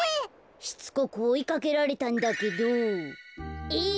しつこくおいかけられたんだけど「えい！